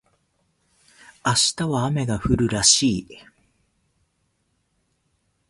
明日は雨が降るらしい